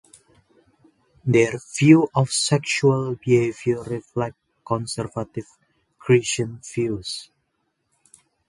Their view of sexual behavior reflects conservative Christian views.